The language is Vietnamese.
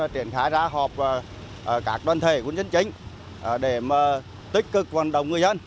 triển khai ra họp các đoàn thể quân chân chính để tích cực hoàn đồng người dân